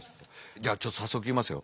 じゃあちょっと早速いきますよ。